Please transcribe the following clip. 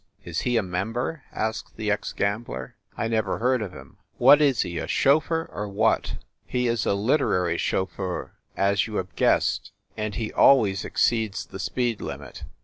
"Is he a member?" asked the ex gambler. "I never heard of him. What is he, a chofer, or what ?" "He is a literary chauffeur, as you have guessed. And he always exceeds the speed limit.